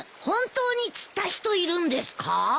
本当に釣った人いるんですか？